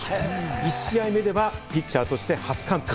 １試合目ではピッチャーとして初完封。